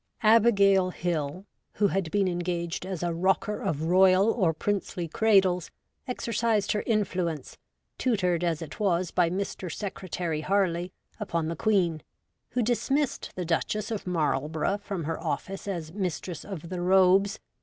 Abigail Hill, who had been engaged as a rocker of royal or princely cradles, exercised her influence, tutored as it was by Mr. Secretary Harley, upon the Queen, who dismissed the Duchess of Marl borough from her office as Mistress of the Robes, 86 REVOLTED WOMAN.